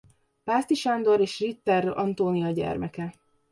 Pászti Sándor és Ritter Antónia gyermeke.